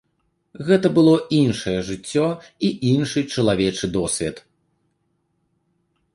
Гэта было іншае жыццё і іншы чалавечы досвед.